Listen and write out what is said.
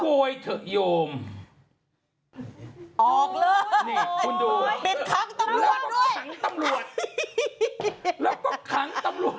ออกเลยปิดขังตำรวจด้วยแล้วก็ขังตำรวจแล้วก็ขังตำรวจ